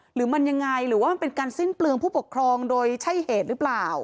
หรือมันยังไงหรือว่ามันเป็นการสิ้นเปลืองผู้ปกครองโดยใช่เหตุหรือเปล่า